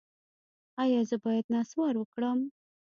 ایا زه باید نسوار وکړم؟